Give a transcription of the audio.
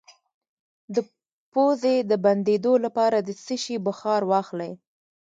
د پوزې د بندیدو لپاره د څه شي بخار واخلئ؟